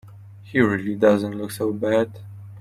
He really doesn't look so bad.